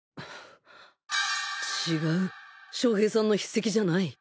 違う将平さんの筆跡じゃない。